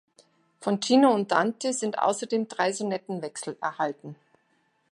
Von Cino und Dante sind außerdem drei Sonetten-Wechsel erhalten.